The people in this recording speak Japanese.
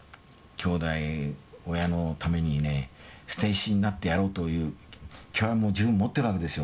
兄弟親のためにね捨て石になってやろうという気概を十分持ってるわけですよ。